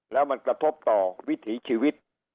แล้วมันกระทบต่อวิถีชีวิต